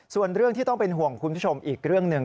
ส่วนเรื่องที่ต้องเป็นห่วงคุณผู้ชมอีกเรื่องหนึ่ง